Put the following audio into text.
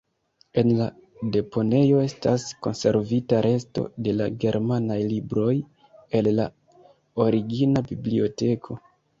En la deponejo estas konservita resto de la germanaj libroj el la origina biblioteko.